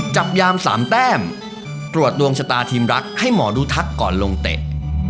จับยามสามแต้มตรวจดวงชะตาทีมรักให้หมอดูทักก่อนลงเตะ